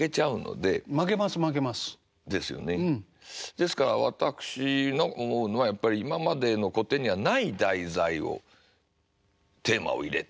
ですから私が思うのはやっぱり今までの古典にはない題材をテーマを入れたい。